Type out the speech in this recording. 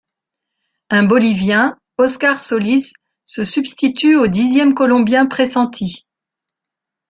Un Bolivien, Óscar Soliz se substitue au dixième Colombien pressenti.